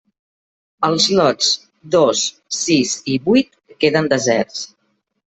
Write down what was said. Els lots dos, sis i vuit queden deserts.